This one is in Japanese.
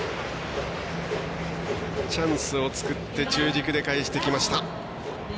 チャンスを作って中軸で返してきました。